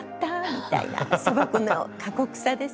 みたいな砂漠の過酷さですね。